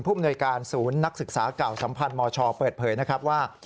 มนวยการศูนย์นักศึกษาเก่าสัมพันธ์มชเปิดเผยนะครับว่า